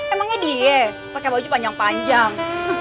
emangnya diet pakai baju panjang panjang